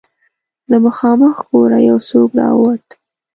له مخامخ کوره يو څوک را ووت.